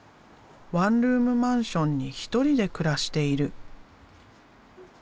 ワンルームマンションに１人で暮らしている。